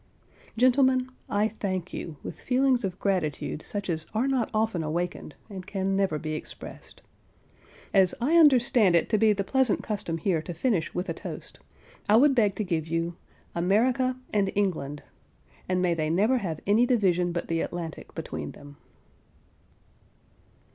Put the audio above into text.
Gentlemen, I thank you with feelings of gratitude, such as are not often awakened, and can never be expressed. As I understand it to be the pleasant custom here to finish with a toast, I would beg to give you: AMERICA AND ENGLAND, and may they never have any division but the Atlantic between them.